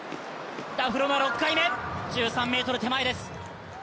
ダフロノワ６回目、１３ｍ手前です。